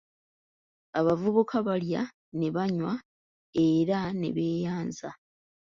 Abavubuka baalya, ne banywa era ne beeyanza.